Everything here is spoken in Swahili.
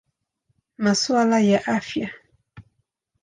Masuala ya Afya.